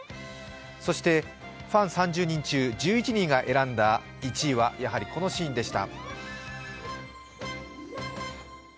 そして、ファン３０人中１１人が選んだ１位は、やはりこのシーンでした。